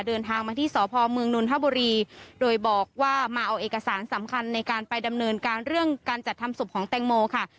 เดินทางมาที่สพเมืองนนทบุรีโดยบอกว่ามาเอาเอกสารสำคัญในการไปดำเนินการเรื่องการจัดทำศพของแตงโมค่ะ